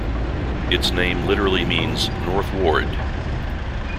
Its name literally means "North Ward".